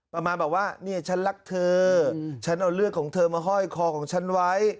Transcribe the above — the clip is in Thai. ประมาณแบบว่าเนี่ยฉันรักเธอฉันเอาเลือดของเธอมาห้อยคอของฉันไว้